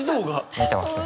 見てますね。